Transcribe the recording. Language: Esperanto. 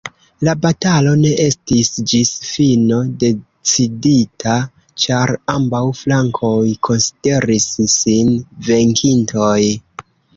La batalo ne estis ĝis fino decidita ĉar ambaŭ flankoj konsideris sin venkintoj.